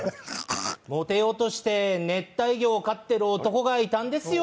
モテようとして、熱帯魚を飼おうとした男がいたんですよ。